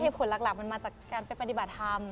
ผลหลักมันมาจากการไปปฏิบัติธรรม